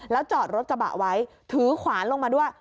แล้วจอดรถกระบะไว้ถือขวานลงมาด้วย